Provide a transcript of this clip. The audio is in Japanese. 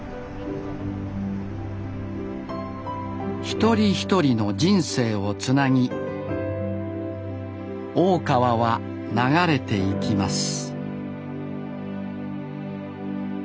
一人一人の人生をつなぎ大川は流れていきます